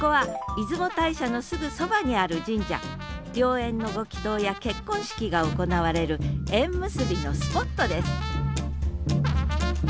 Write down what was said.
良縁のご祈とうや結婚式が行われる縁結びのスポットです